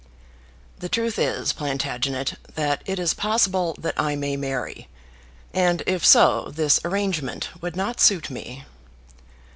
"The truth is, Plantagenet, that it is possible that I may marry, and if so this arrangement would not suit me."